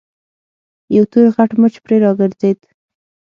يو تور غټ مچ پرې راګرځېد.